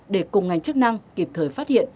để cùng ngành chức năng kịp thời phát hiện